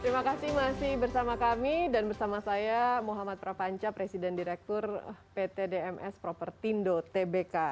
terima kasih masih bersama kami dan bersama saya muhammad prapanca presiden direktur pt dms propertindo tbk